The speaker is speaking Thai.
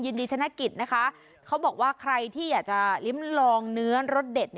ธนกิจนะคะเขาบอกว่าใครที่อยากจะลิ้มลองเนื้อรสเด็ด